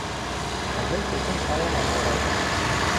Мӹнь техень шаям ам яраты...